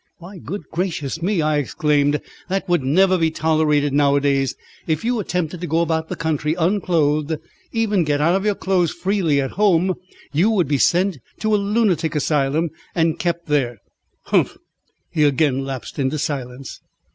"Why good gracious me!" I exclaimed, "that would never be tolerated nowadays. If you attempted to go about the country unclothed, even get out of your clothes freely at home, you would be sent to a lunatic asylum and kept there." "Humph!" He again lapsed into silence.